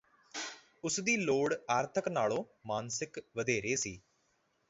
ਉਸਦੀ ਲੋੜ ਆਰਥਕ ਨਾਲੋਂ ਮਾਨਸਿਕ ਵਧੇਰੇ ਸੀ